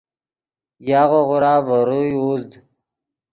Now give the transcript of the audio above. یاغو غورا ڤے روئے اوزد